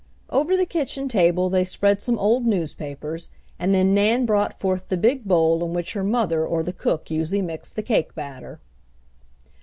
Over the kitchen table they spread some old newspapers, and then Nan brought forth the big bowl in which her mother or the cook usually mixed the cake batter.